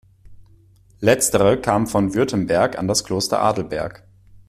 Letztere kam von Württemberg an das Kloster Adelberg.